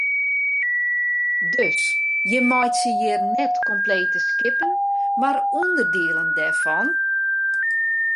Dus jim meitsje hjir net komplete skippen mar ûnderdielen dêrfan?